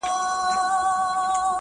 خوني خنجر نه دى چي څوك يې پـټ كــړي-